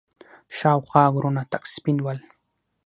شاوخوا غرونه تک سپين ول.